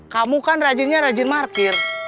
kamu kan rajinnya rajin parkir